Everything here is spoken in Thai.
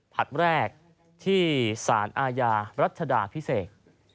ผัดแรกที่สารอาญารัฐธรรมพิเศษ